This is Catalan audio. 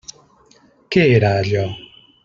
Què era allò?